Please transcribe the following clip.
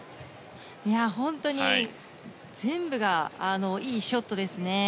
本当に、全部がいいショットですね。